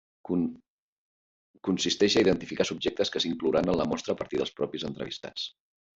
Consisteix a identificar subjectes que s'inclouran en la mostra a partir dels propis entrevistats.